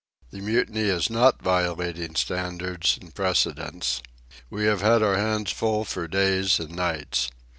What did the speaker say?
The mutiny is not violating standards and precedents. We have had our hands full for days and nights.